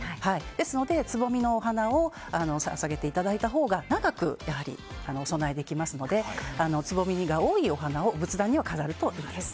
ですので、つぼみのお花を捧げていただいたほうが長くお供えできますのでつぼみが多いお花を仏壇には飾るといいです。